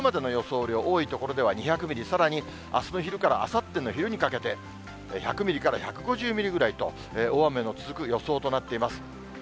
雨量、多い所では２００ミリ、さらにあすの昼からあさっての昼にかけて、１００ミリから１５０ミリぐらいと、大雨の続く予想となっています。